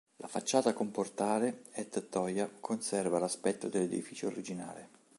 La facciata con portale e tettoia conserva l'aspetto dell'edificio originale.